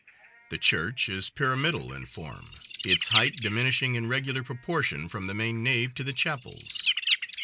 The church is pyramidal in form, its height diminishing in regular proportion from the main nave to the chapels.